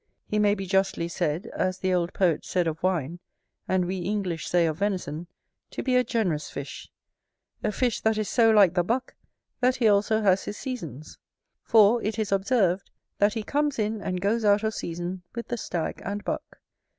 He may be justly said, as the old poet said of wine, and we English say of venison, to be a generous fish: a fish that is so like the buck, that he also has his seasons; for it is observed, that he comes in and goes out of season with the stag and buck.